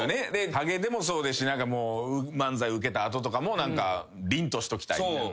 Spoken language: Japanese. ハゲでもそうですし漫才ウケた後とかも何かりんとしときたいみたいな。